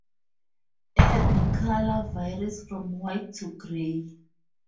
Egg colour varies from white to grey.